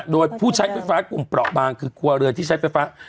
โดยผู้ใช้ไฟฟ้ากลุ่มเปราะบางคือครัวเรือนที่ใช้ไฟฟ้า